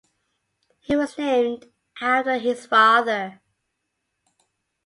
He was named after his father.